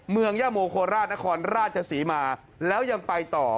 เมืองแย่่มุโฮภลาศนครราชสิมาแล้วยังไปต่อ